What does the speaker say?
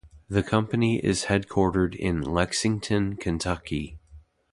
The company is headquartered in Lexington, Kentucky.